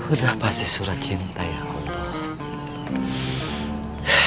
udah pasti surat cinta ya allah